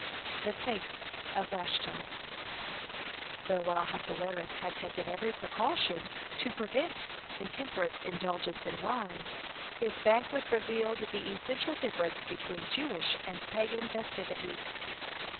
THE FATE OF VASHTI Though Ahasuerus had taken every precaution to prevent intemperate indulgence in wine, his banquet revealed the essential difference between Jewish and pagan festivities.